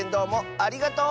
ありがとう！